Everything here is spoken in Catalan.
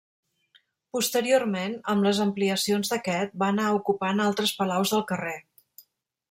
Posteriorment amb les ampliacions d'aquest, va anar ocupant altres palaus del carrer.